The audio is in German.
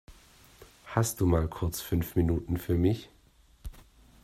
Hast du mal kurz fünf Minuten für mich?